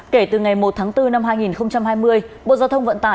kể từ ngày một tháng bốn năm hai nghìn hai mươi